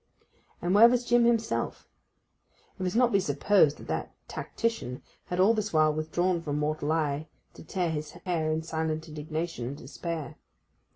And where was Jim himself? It must not be supposed that that tactician had all this while withdrawn from mortal eye to tear his hair in silent indignation and despair.